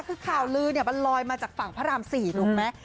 คือข่าวลือเนี่ยมันลอยมาจากฝั่งพระราม๔ถูกไหม